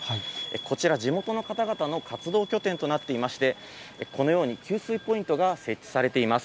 こちら、地元の方々の活動拠点となっていまして、このように給水ポイントが設置されています。